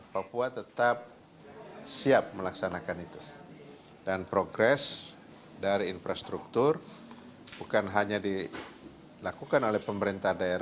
papua tetap siap melaksanakan itu dan progres dari infrastruktur bukan hanya dilakukan oleh pemerintah daerah